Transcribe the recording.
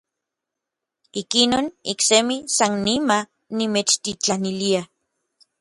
Ikinon, iksemi sannimaj nimechtitlanilia.